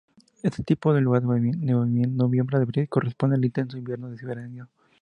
Este tiene lugar de noviembre a abril y corresponde al intenso invierno siberiano.